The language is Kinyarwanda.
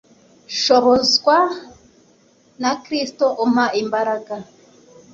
nshobozwa na kristo umpa imbaraga